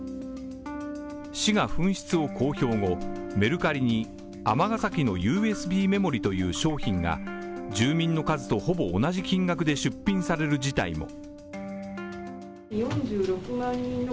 市が紛失を公表後、メルカリに尼崎のＵＳＢメモリーという商品が住民の数とほぼ同じ金額で出品される事態も。